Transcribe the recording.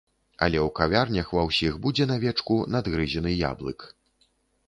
Але ў кавярнях ва ўсіх будзе на вечку надгрызены яблык.